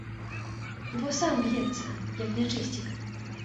Во сам б'ецца, як нячысцік.